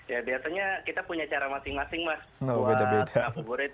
ya biasanya kita punya cara masing masing mas buat ngabuburit